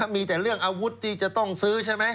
มีแต่เรื่องอาวุธที่จะต้องซื้อใช่ไหม